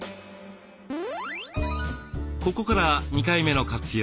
ここから２回目の活用。